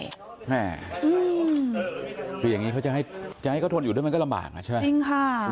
อย่างงี้เขาจะให้เขาทนอยู่ด้วยมันก็ลำบากนะใช่ไหม